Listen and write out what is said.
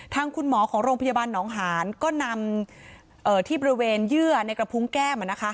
ทางคุณหมอของโรงพยาบาลหนองหานก็นำที่บริเวณเยื่อในกระพุงแก้ม